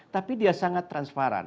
tapi dia sangat transparan